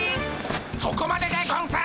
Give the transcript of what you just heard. そこまででゴンス！